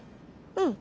うん。